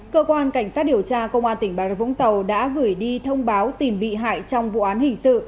cơ quan cảnh sát điều tra công an tỉnh bà rập vũng tàu đã gửi đi thông báo tìm bị hại trong vụ án hình sự